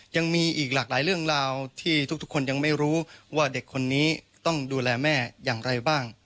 ยังมีอีกหลากหลายเรื่องราวที่ทุกคนยังไม่รู้ว่าเด็กคนนี้ต้องดูแลแม่อย่างไรบ้าง